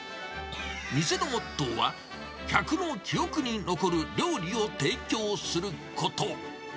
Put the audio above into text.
店のモットーは、客の記憶に残る料理を提供すること。